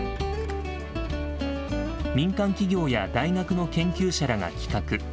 民間企業や大学の研究者らが企画。